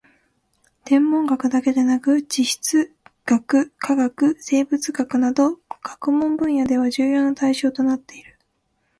天文学だけでなく地質学・化学・生物学などの学問分野では重要な対象となっている